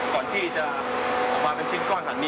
ก่อนที่จะออกมาเป็นชิ้นก้อนหลังนี้